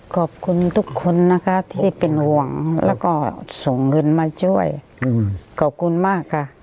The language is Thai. ขอบคุณมากค่ะ